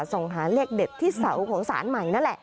ส่องหาเลขเด็ดที่เสาของศาลใหม่นั่นแหละ